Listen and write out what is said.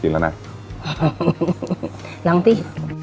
ลองสิ